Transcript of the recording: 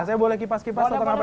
saya boleh kipas kipas atau kenapa ya